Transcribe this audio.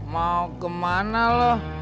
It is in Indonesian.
mau ke mana loh